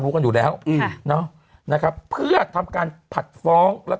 ก็ฉันก็บอกถ้าจะถาม